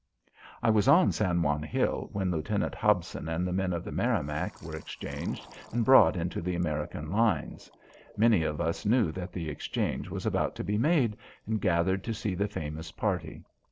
I was on San Juan Hill when Lieutenant Hobson and the men of the Merrimac were exchanged and brought into the American lines. Many of us knew that the exchange was about to be made, and gathered to see the famous party.